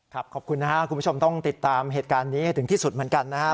ขอบคุณนะครับคุณผู้ชมต้องติดตามเหตุการณ์นี้ให้ถึงที่สุดเหมือนกันนะครับ